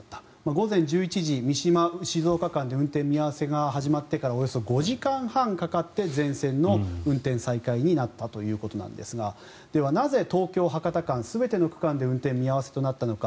午前１１時、三島静岡間で運転見合わせが始まってからおよそ５時間半かかって全線の運転再開になったということなんですがでは、なぜ東京博多間全ての区間で運転見合わせとなったのか。